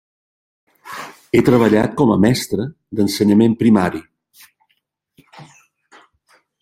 Ha treballat com a mestra d'ensenyament primari.